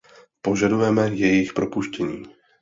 Požadujeme jejich propuštění.